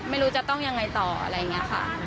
ไม่รู้จะต้องยังไงต่ออะไรอย่างนี้ค่ะ